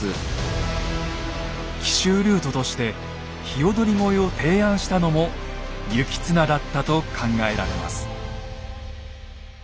奇襲ルートとして鵯越を提案したのも行綱だったと考えられます。